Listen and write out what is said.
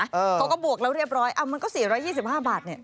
เขาก็บวกแล้วเรียบร้อยมันก็๔๒๕บาทเนี่ย